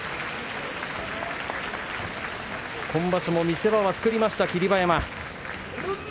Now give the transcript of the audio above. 今場所も見せ場を作りました霧馬山。